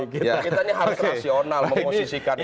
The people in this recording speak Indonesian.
kita harus rasional memposisikan ini